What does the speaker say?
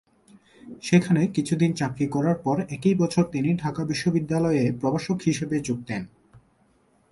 সেখানে কিছু দিন চাকরি করার পর একই বছর তিনি ঢাকা বিশ্ববিদ্যালয়ে প্রভাষক হিসেবে যোগ দেন।